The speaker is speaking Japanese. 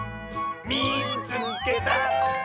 「みいつけた！」。